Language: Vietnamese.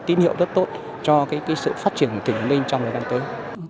điện hiệu rất tốt cho sự phát triển của tỉnh lên trong ngày đang tới